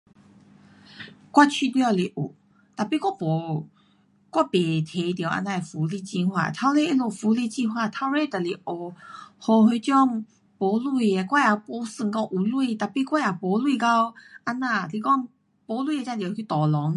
。。。我也没没钱到那样，是讲没钱是得去 tolong